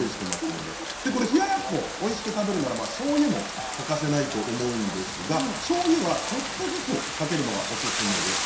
冷ややっこをおいしく食べるならしょうゆを欠かさないと思うんですが、ちょっとずつかけるのがおすすめです。